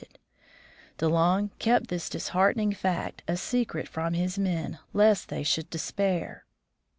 De Long kept this disheartening fact a secret from his men, lest they should despair.